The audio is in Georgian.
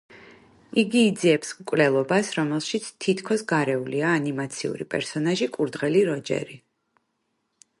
იგი იძიებს მკვლელობას, რომელშიც თითქოს გარეულია ანიმაციური პერსონაჟი კურდღელი როჯერი.